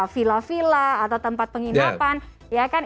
villa villa atau tempat penginapan